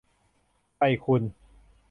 ใส่คุณ